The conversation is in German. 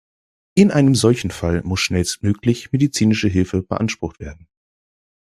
In einem solchen Fall muss schnellstmöglich medizinische Hilfe beansprucht werden.